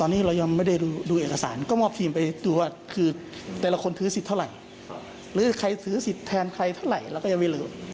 มีคนแก้ถือสิทธิ์คนเดียวประมาณ๖๐ไร่